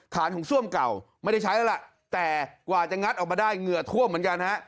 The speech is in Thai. ฐานของซ่วมเก่าไม่ได้ใช้แล้วล่ะแต่กว่าจะงัดออกมาได้เหงื่อท่วมเหมือนกันฮะ